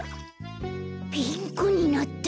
ピンクになった。